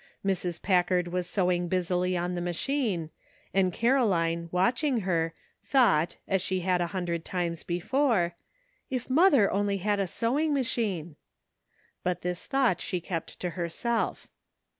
Mrs. Packard was sewing busily on the machine, and Caro line, watching her, thought, as she had a hun dred times before: ''If mother only had a sewing machine !" But this thought she kept to herself.